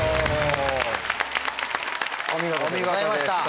お見事でした。